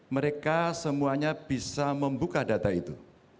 mereka semuanya bisa membuka data itu